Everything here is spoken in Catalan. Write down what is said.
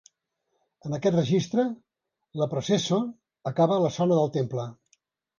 En aquest registre la processo acaba a la zona del temple.